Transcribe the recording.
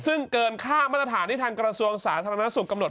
ซึ่งเกินค่ามาตรฐานที่ทางกระทรวงสาธารณสุขกำหนด